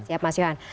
siap mas yohan